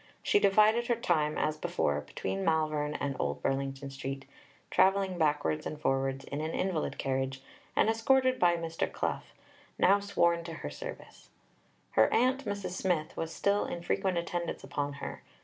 She divided her time, as before, between Malvern and Old Burlington Street, travelling backwards and forwards in an invalid carriage, and escorted by Mr. Clough, now sworn to her service. Her aunt, Mrs. Smith, was still in frequent attendance upon her.